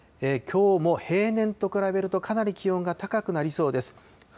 きょうも平年と比べると、かなり気温が高くなりそうです。